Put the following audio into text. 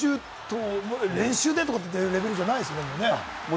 練習でってレベルじゃないですよね？